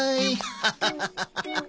ハハハハハ！